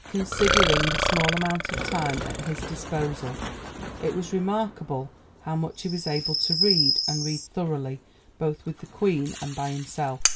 Considering the small amount of time at his disposal, it was remarkable how much he was able to read, and read thoroughly, both with the Queen and by himself.